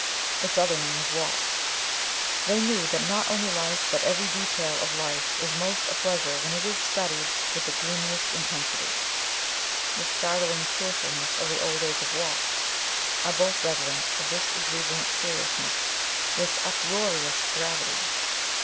Its other name is Watts. They knew that not only life, but every detail of life, is most a pleasure when it is studied with the gloomiest intensity. ... The startling cheerfulness of the old age of Gladstone, the startling cheerfulness of the old age of Watts, are both redolent of this exuberant seriousness, this uproarious gravity.